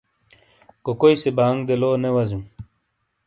کوکوئی سے بانگ سے لو نے وازِیوں۔